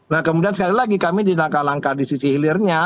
nah kemudian sekali lagi kami di langkah langkah di sisi hilirnya